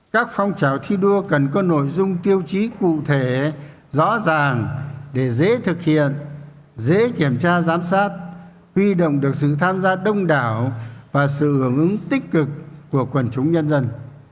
các phong trào thi đua cần có nội dung tiêu chí cụ thể rõ ràng để dễ thực hiện dễ kiểm tra giám sát huy động được sự tham gia đông đảo và sự hưởng ứng tích cực của quần chúng nhân dân